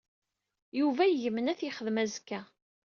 Yuba yegmen ad t-yexdem azekka.